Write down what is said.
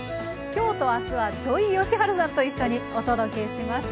今日と明日は土井善晴さんと一緒にお届けします。